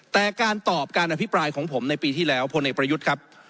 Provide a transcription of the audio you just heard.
แต่การตอบการอภิปรายของผมในปีที่แล้วพลเอกประยุทธ์ครับ